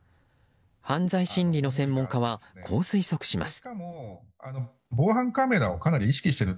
犯罪心理の専門家はこう推測します。